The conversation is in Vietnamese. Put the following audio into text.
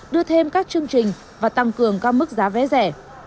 đưa thêm các chương trình và tăng cường các mức giá vé rẻ